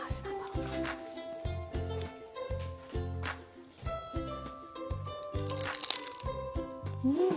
うん。